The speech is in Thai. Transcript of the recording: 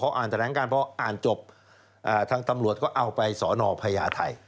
อ่านแถลงการพออ่านจบทางตำรวจก็เอาไปสอนอพญาไทย